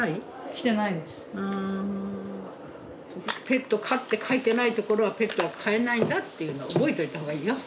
「ペット可」って書いてないところはペットは飼えないんだっていうのを覚えといた方がいいよ。